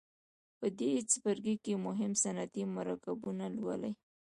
په دې څپرکي کې مهم صنعتي مرکبونه لولئ.